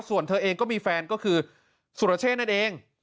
ส่วนเธอเองก็มีแฟนก็คือสุรเชษนั่นเอง